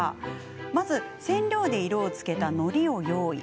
まず染料で色をつけたのりを用意。